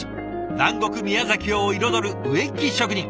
南国宮崎を彩る植木職人。